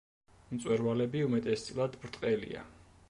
მწვერვალები უმეტესწილად ბრტყელია.